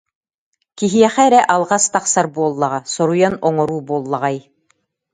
Киһиэхэ эрэ алҕас тахсар буоллаҕа, соруйан оҥоруу буоллаҕай